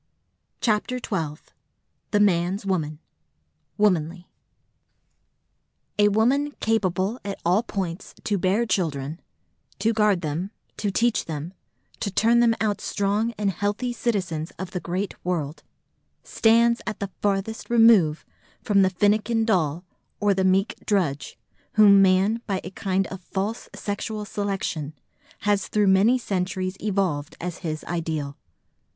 CHAPTER XII THE MAN'S WOMAN: WOMANLY "A woman capable at all points to bear children, to guard them, to teach them, to turn them out strong and healthy citizens of the great world, stands at the farthest remove from the finnikin doll or the meek drudge whom man by a kind of false sexual selection has through many centuries evolved as his ideal."